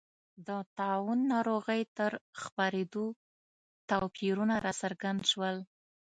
د طاعون ناروغۍ تر خپرېدو توپیرونه راڅرګند شول.